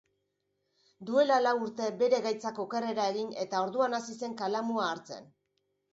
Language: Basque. Duela lau urte bere gaitzak okerrera egin eta orduan hasi zen kalamua hartzen.